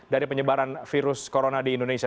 dari penyebaran virus corona di indonesia